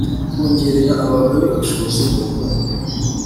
kongerera abagore ubushobozi mu bukungu